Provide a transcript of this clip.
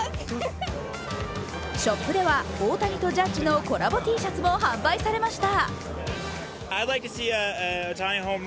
ショップでは大谷とジャッジのコラボＴシャツも販売されました。